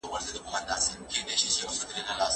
دا غونډه د سولې د پیغام لپاره جوړه شوې وه.